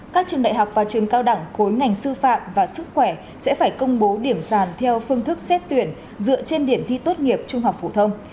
các trường đại học và trường cao đẳng khối ngành sư phạm và sức khỏe sẽ phải công bố điểm sàn theo phương thức xét tuyển dựa trên điểm thi tốt nghiệp trung học phổ thông